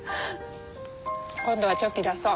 今度はチョキ出そう。